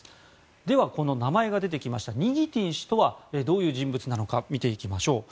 では、この名前が出てきましたニギティン氏とはどういう人物なのか見ていきましょう。